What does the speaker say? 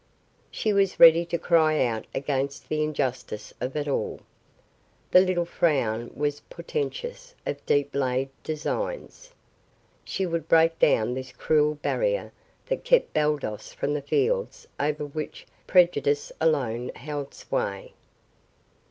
She was ready to cry out against the injustice of it all. The little frown was portentous of deep laid designs. She would break down this cruel barrier that kept Baldos from the fields over which prejudice alone held sway.